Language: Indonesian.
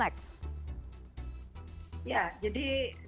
ya jadi saat ini kita sudah mencari penanganan yang lebih tinggi